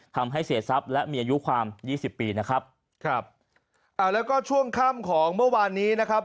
ทำให้เสียทรัพย์และมีอายุความยี่สิบปีนะครับครับอ่าแล้วก็ช่วงค่ำของเมื่อวานนี้นะครับ